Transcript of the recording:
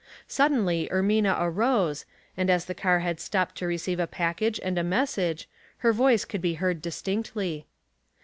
Suddenly Ermina arose, and as the car had stopped to receive a package and a message, her voice could be heard distinctly.